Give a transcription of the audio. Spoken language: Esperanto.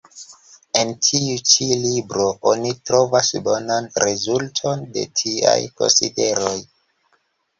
En tiu ĉi libro oni trovas bonan rezulton de tiaj konsideroj.